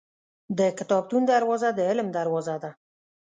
• د کتابتون دروازه د علم دروازه ده.